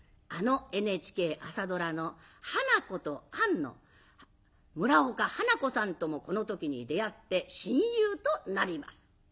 あのＮＨＫ朝ドラの「花子とアン」の村岡花子さんともこの時に出会って親友となります。